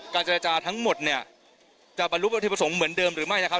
เจรจาทั้งหมดเนี่ยจะบรรลุประเทศประสงค์เหมือนเดิมหรือไม่นะครับ